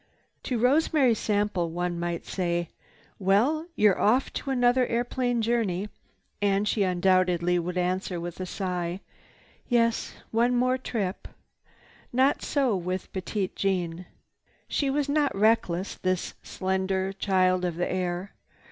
To Rosemary Sample one might say, "Well, you're off to another airplane journey," and she undoubtedly would answer with a sigh, "Yes, one more trip." Not so Petite Jeanne. She was not reckless, this slender child of the air.